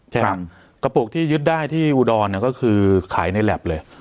ใช่ฮะกระปูกที่ยึดได้ที่เนี้ยก็คือขายในแล็บเลย